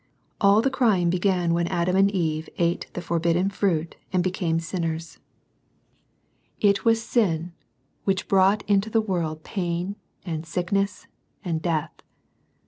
All the crying began when Adam and Eve ate the forbidden fruit and became sinners. NO MORE CRYING. 67 It was sin which brought into the world pain and sickness and death.